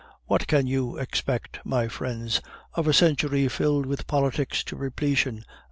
"What can you expect, my friends, of a century filled with politics to repletion?"